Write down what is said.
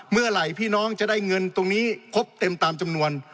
พี่น้องจะได้เงินตรงนี้ครบเต็มตามจำนวน